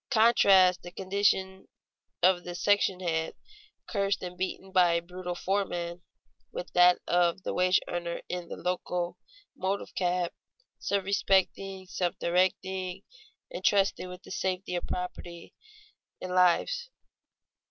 Contrast the condition of the section hand, cursed and beaten by a brutal foreman, with that of the wage earner in the locomotive cab, self respecting, self directing, and trusted with the safety of property and lives.